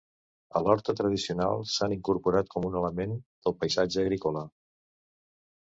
A l’horta tradicional s'han incorporat com un element del paisatge agrícola.